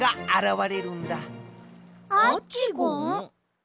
アッチゴン？